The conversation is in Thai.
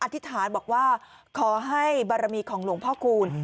ธิษฐานบอกว่าขอให้บารมีของหลวงพ่อคูณ